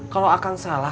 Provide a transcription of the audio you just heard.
kalau akang salah